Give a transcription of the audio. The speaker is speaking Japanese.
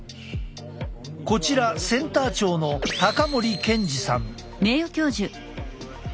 こちらセンター長の森建二さん。